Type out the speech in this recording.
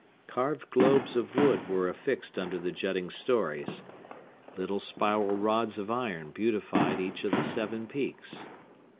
Carved globes of wood were affixed under the jutting stories. Little spiral rods of iron beautified each of the seven peaks.